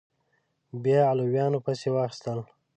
بیا علویان پسې واخیستل